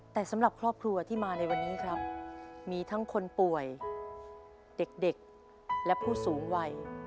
แต่สำหรับครอบครัวที่มาในวันนี้ครับมีทั้งคนป่วยเด็กและผู้สูงวัย